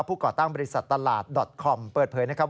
ก่อตั้งบริษัทตลาดดอตคอมเปิดเผยนะครับ